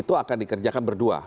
itu akan dikerjakan berdua